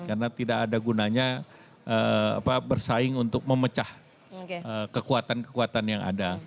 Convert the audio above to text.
karena tidak ada gunanya bersaing untuk memecah kekuatan kekuatan yang ada